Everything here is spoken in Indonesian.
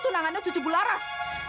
itu tunangannya cucu bularas